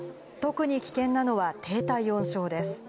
特に危険なのは低体温症です。